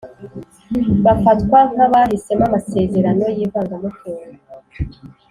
bafatwa nkabahisemo amasezerano y’ivangamutungo.